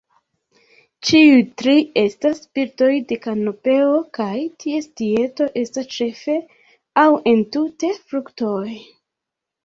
Ĉiuj tri estas birdoj de kanopeo, kaj ties dieto estas ĉefe aŭ entute fruktoj.